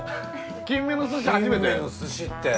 キンメの寿司って。